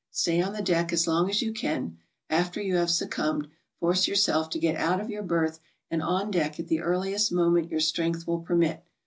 Stay on the deck as long as you can; after you have succumbed, force yourself to get out of your berth and on deck at the earliest moment your strength will permit.